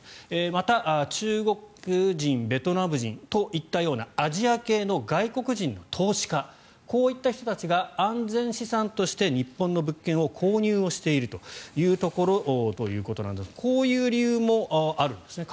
また中国人、ベトナム人といったようなアジア系の外国人の投資家こういった人たちが安全資産として日本の物件を購入しているというところだそうですがこういう理由もあるんですね。